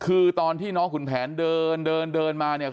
คือตอนที่น้องคุณแผนเดินมาเนี้ย